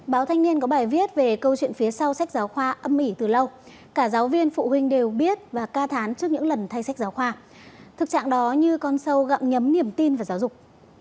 báo thanh niên có bài viết về câu chuyện phía sau sách giáo khoa âm mỉ từ lâu cả giáo viên phụ huynh đều biết và ca thán trước những lần thay sách giáo khoa thực trạng đó như con sâu gặm ngấm niềm tin vào giáo dục